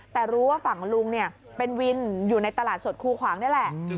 แต่รู้ว่าฝั่งลุงเป็นวินอยู่ในตลาดสดคูขวางนี่แหละ